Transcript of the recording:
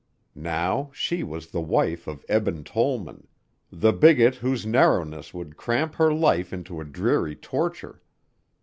Now she was the wife of Eben Tollman, the bigot whose narrowness would cramp her life into a dreary torture.